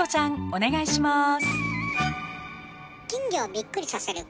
お願いします。